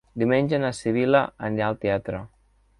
Diumenge na Sibil·la anirà al teatre.